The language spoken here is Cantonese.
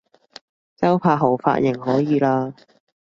周柏豪髮型可以喇